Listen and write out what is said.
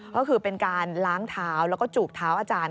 ก็คือเป็นการล้างเท้าแล้วก็จูบเท้าอาจารย์